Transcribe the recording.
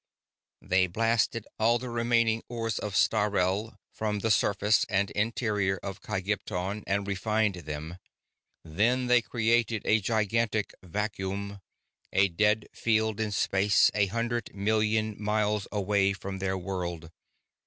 They blasted all the remaining ores of Sthalreh from the surface and interior of Kygpton and refined them. Then they created a gigantic vacuum, a dead field in space a hundred million miles away from their world.